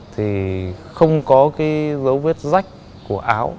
thì không có cái dấu viết rách của áo